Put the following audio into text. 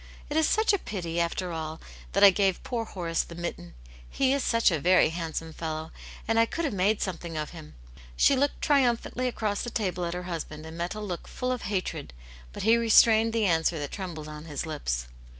It is such a pity, after all, that I gave poor Horace the mitten. He is such a very handsome fellow, and I could have made something of him.*' She looked triumphantly across the table at her husband, and met a look full of hatred, but he re strained the answer that trembled on his lips.